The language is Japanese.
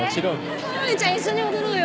孔明ちゃん一緒に踊ろうよ。